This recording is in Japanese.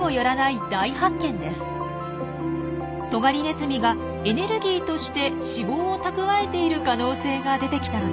トガリネズミがエネルギーとして脂肪を蓄えている可能性が出てきたんです。